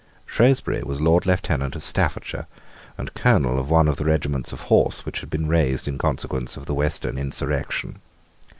Shrewsbury was Lord Lieutenant of Staffordshire and Colonel of one of the regiments of horse which had been raised in consequence of the Western insurrection.